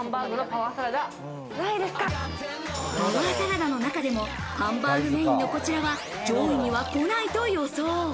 パワーサラダの中でもハンバーグメインのこちらは上位には来ないと予想。